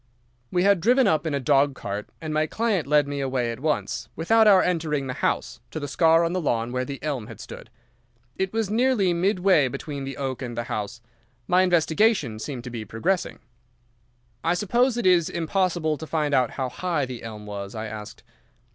"We had driven up in a dog cart, and my client led me away at once, without our entering the house, to the scar on the lawn where the elm had stood. It was nearly midway between the oak and the house. My investigation seemed to be progressing. "'I suppose it is impossible to find out how high the elm was?' I asked.